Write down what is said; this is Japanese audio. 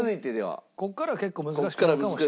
ここからは結構難しくなるかもしれない。